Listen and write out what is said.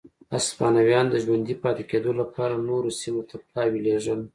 هسپانویانو د ژوندي پاتې کېدو لپاره نورو سیمو ته پلاوي لېږل.